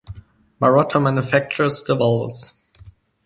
Marotta manufactures the valves.